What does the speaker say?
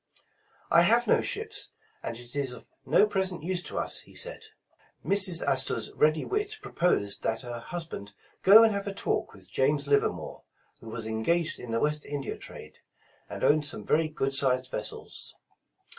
''I have no ships, and it is of no present use to us,'* he said. Mrs. Astor 's ready wit proposed that her husband go and have a talk with James Livermore, who was en gaged in the West India trade, and owned some very good sized vessels.